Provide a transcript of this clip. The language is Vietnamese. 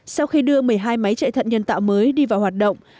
sau khi đưa một mươi hai máy chạy thận nhân tạo mới đi vào hoạt động